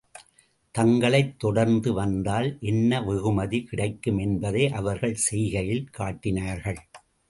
தங்களைத் தொடர்ந்து வந்தால், என்ன வெகுமதி கிடைக்கும் என்பதை அவர்கள் செய்கையில் காட்டினார்கள்.